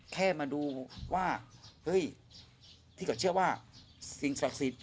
แค่มาดูว่าเฮ้ยพี่ก็เชื่อว่าสิ่งศักดิ์สิทธิ